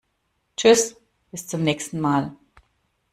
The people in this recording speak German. Tschüß, bis zum nächsen mal!